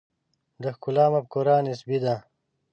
د ښکلا مفکوره نسبي ده.